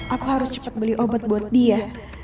aku harus cepat beli obat buat dia